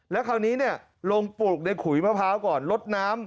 แล้วคราวนี้ลงปลูกในขุยมะพร้าวก่อนลดน้ำ